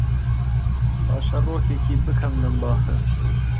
پاشەرۆکێکی بکەم لەم باخە